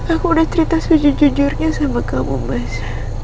aku udah cerita suju jujurnya sama kamu mas